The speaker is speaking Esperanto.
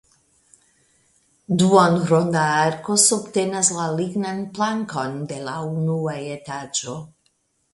Duonronda arko subtenas la lignan plankon de la unua etaĝo.